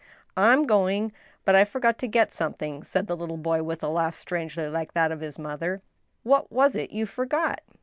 " I'm going, ... but I foi^got to get something," said the little boy, with a laugh strangely like that of his mother. " What was it you forgot